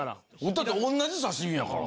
だって同じ刺し身やから。